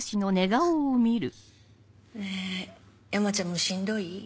山ちゃんもしんどい？